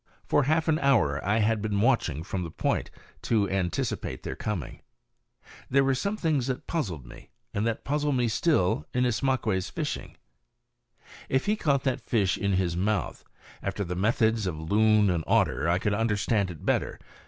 For half an hour I had been watching from the point to anticipate their coming. There were some things that puzzled me, and that puzzle me still, in Ismaques' fishing. If he caught his fish in his mouth, after the methods of loon and otter, I could understand it better.